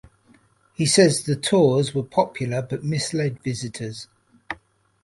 He says the tours were popular but misled visitors.